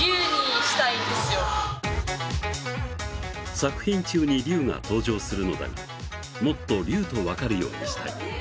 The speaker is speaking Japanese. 作品中に、龍が登場するのだがもっと龍と分かるようにしたい。